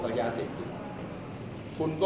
มันเป็นสิ่งที่เราไม่รู้สึกว่า